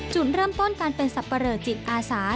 จุดเริ่มต้นการเป็นสับปะเลอจิตอาสา